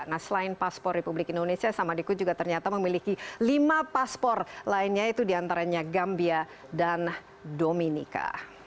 nah selain paspor republik indonesia samadikun juga ternyata memiliki lima paspor lainnya itu diantaranya gambia dan dominika